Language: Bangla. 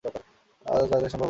আজ রাতে সম্ভব হবে না, পরদিন।